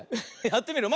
やってみる？